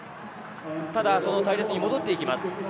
ただ、隊列に戻っていきます。